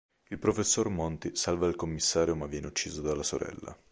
Il professor Monti salva il commissario ma viene ucciso dalla sorella.